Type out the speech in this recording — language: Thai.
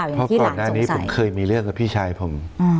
อย่างที่หลักสงสัยเรียบร้อยมั้ยเพราะก่อนหน้านี้ผมเคยมีเรื่องกับพี่ชายผม